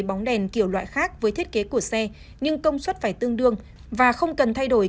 bóng đèn kiểu loại khác với thiết kế của xe nhưng công suất phải tương đương và không cần thay đổi